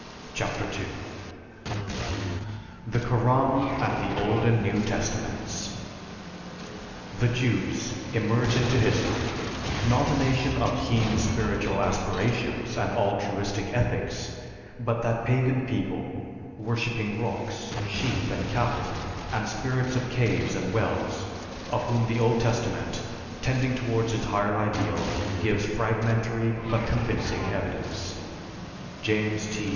CHAPTER II THE KORAN AND THE OLD AND NEW TESTAMENTS _The Jews emerge into history, not a nation of keen spiritual aspirations and altruistic ethics, but that pagan people, worshipping rocks, sheep and cattle, and spirits of caves and wells, of whom the Old Testament, tending towards its higher ideal, gives fragmentary but convincing evidence_. JAMES T.